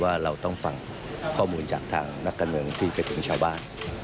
ว่าเราต้องฟังข้อมูลจากทางนักการเมืองที่ไปถึงชาวบ้าน